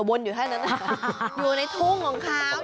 วนอยู่แค่นั้นอยู่ในทุ่งของเขา